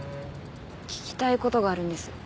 聞きたいことがあるんです。